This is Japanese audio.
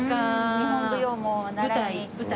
日本舞踊も習いに。